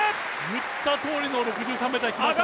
言ったとおりに６３ｍきましたね。